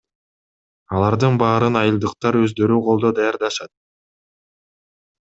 Алардын баарын айылдыктар өздөрү колдо даярдашат.